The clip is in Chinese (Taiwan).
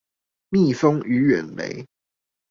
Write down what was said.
蜜蜂與遠雷